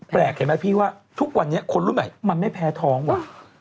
เห็นไหมพี่ว่าทุกวันนี้คนรุ่นใหม่มันไม่แพ้ท้องว่ะ